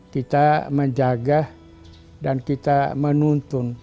kita menjaga dan kita menuntun